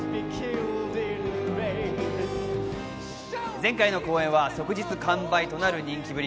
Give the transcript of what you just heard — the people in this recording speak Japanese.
前回の公演は即日完売となる人気ぶり。